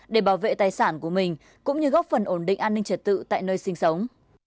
để bảo vệ tài sản của mình cũng như góp phần ổn định an ninh trật tự tại nơi sinh sống